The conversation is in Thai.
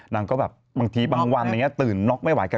นางก็แบบบางทีบางวันตื่นน็อกไม่ไหว